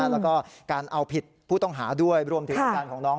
แล้วก็การเอาผิดผู้ต้องหาด้วยรวมถึงอาการของน้อง